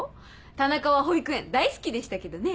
田中は保育園大好きでしたけどね。